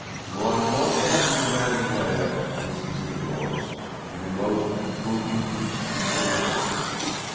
"You are not ugly, Mary Ware," insisted Joyce, in a most reproving big sisterly voice.